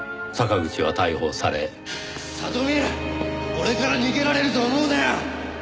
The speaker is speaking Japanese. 俺から逃げられると思うなよ！